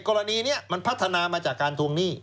กรณีนี้มันพัฒนามาจากการทวงหนี้